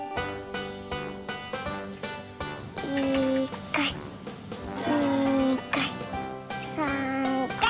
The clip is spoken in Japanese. １かい２かい３かい！